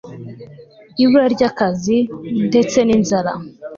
ibura ry' akazi, ndetse n' inzara